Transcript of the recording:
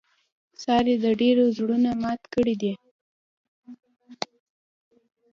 سارې د ډېرو زړونه مات کړي دي.